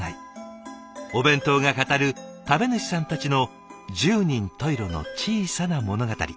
お弁当が語る食べ主さんたちの十人十色の小さな物語。